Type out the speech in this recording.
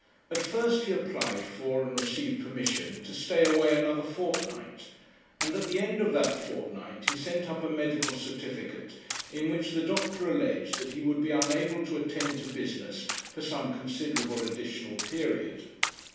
At first he applied for and received permission to stay away another fortnight, and at the end of that fortnight he sent up a medical certificate in which the doctor alleged that he would be unable to attend to business for some considerable additional period.